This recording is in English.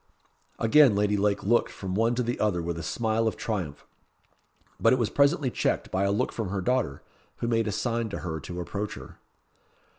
Again Lady Lake looked from one to the other with a smile of triumph. But it was presently checked by a look from her daughter, who made a sign to her to approach her.